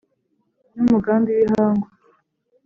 N' umugambi w' ihangu